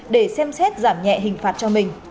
để xem xét giảm nhẹ hình phạt cho mình